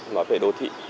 nói về đô thị